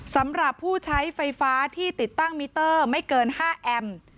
สำหรับผู้ใช้ไฟฟ้าที่ติดตั้งมิเตอร์ไม่เกิน๕แอม